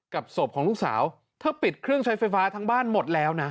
ศพของลูกสาวเธอปิดเครื่องใช้ไฟฟ้าทั้งบ้านหมดแล้วนะ